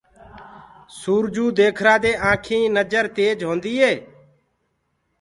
سورجو ديکرآ دي آنٚکينٚ نجر تيج هونٚدي هي